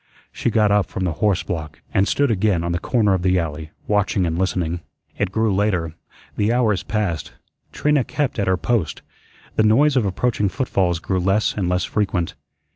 She got up from the horse block and stood again on the corner of the alley, watching and listening. It grew later. The hours passed. Trina kept at her post. The noise of approaching footfalls grew less and less frequent.